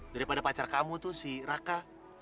daripada pacar kamu tuh si raka